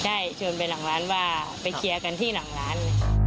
ชวนไปหลังร้านว่าไปเคลียร์กันที่หลังร้าน